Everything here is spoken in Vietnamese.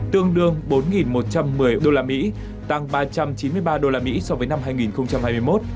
tương đương bốn một trăm một mươi usd tăng ba trăm chín mươi ba usd so với năm hai nghìn hai mươi một